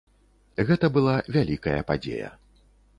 Гэта была вялікая падзея.